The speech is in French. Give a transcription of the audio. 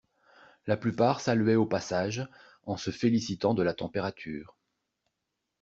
La plupart saluaient au passage, en se félicitant de la température.